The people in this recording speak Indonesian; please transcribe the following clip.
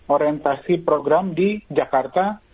orientasi program di jakarta